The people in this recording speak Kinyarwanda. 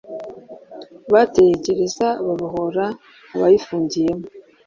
Bateye gereza babohora abayifungiyemo